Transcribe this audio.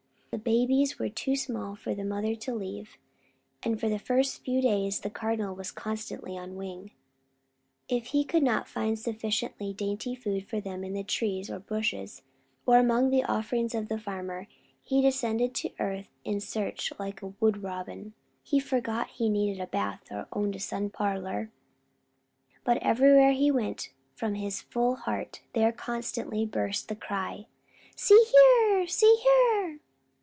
The babies were too small for the mother to leave; and for the first few days the Cardinal was constantly on wing. If he could not find sufficiently dainty food for them in the trees and bushes, or among the offerings of the farmer, he descended to earth and searched like a wood robin. He forgot he needed a bath or owned a sun parlour; but everywhere he went, from his full heart there constantly burst the cry: "See here! See here!"